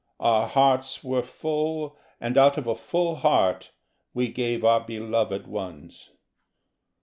Our hearts were full, and out of a full heart We gave our beloved ones.